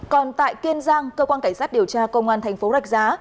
còn tại kiên giang cơ quan cảnh sát điều tra công an thành phố rạch giá